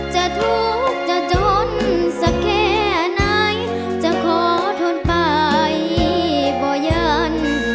จะทุกข์จะจนสักแค่ไหนจะขอทนไปบ่ยัน